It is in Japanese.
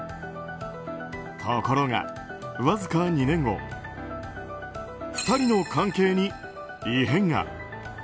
ところが、わずか２年後２人の関係に異変が。